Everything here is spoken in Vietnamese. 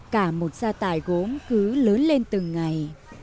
cả một gia tài gốm cứ lớn lên từng ngày